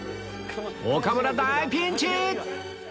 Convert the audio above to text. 岡村大ピンチ！